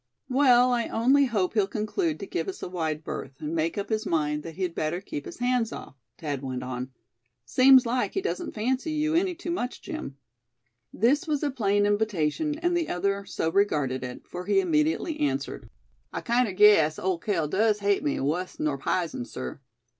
"Well, I only hope he'll conclude to give us a wide berth, and make up his mind that he'd better keep his hands off," Thad went on. "Seems like he doesn't fancy you any too much, Jim?" This was a plain invitation, and the other so regarded it, for he immediately answered: "I kinder guess Ole Cale does hate me wuss nor pizen, sir.